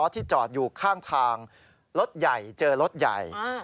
ที่จอดอยู่ข้างทางรถใหญ่เจอรถใหญ่